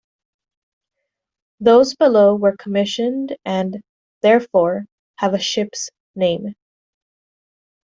Those below were commissioned and, therefore, have a ship's name.